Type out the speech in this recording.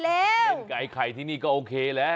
เล่นกับไอ้ไข่ที่นี่ก็โอเคแล้ว